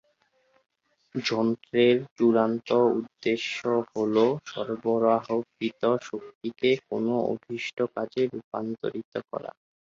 যন্ত্রের চূড়ান্ত উদ্দেশ্য হল সরবরাহকৃত শক্তিকে কোনও অভীষ্ট কাজে রূপান্তরিত করা।